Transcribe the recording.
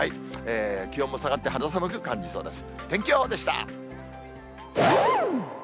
気温も下がって肌寒く感じそうです。